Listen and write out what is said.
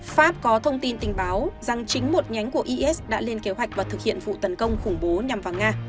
pháp có thông tin tình báo rằng chính một nhánh của is đã lên kế hoạch và thực hiện vụ tấn công khủng bố nhằm vào nga